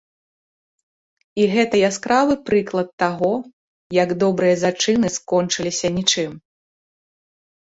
І гэта яскравы прыклад таго, як добрыя зачыны скончыліся нічым.